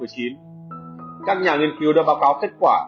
các nhà nghiên cứu đã báo cáo kết quả